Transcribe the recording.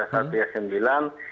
satu ya sembilan